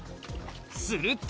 すると！